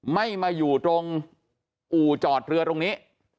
ไม่มาอยู่ตรงอู่จอดเรือตรงนี้